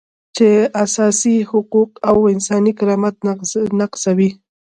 چې اساسي حقوق او انساني کرامت نقضوي.